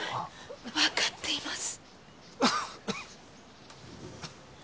分かっています。